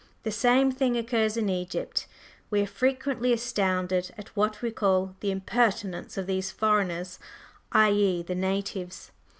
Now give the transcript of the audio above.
The same thing occurs in Egypt; we are frequently astounded at what we call "the impertinence of these foreigners," i.e. the natives.